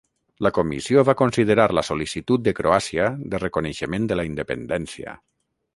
La Comissió va considerar la sol·licitud de Croàcia de reconeixement de la independència.